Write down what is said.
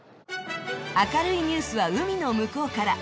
明るいニュースは海の向こうから。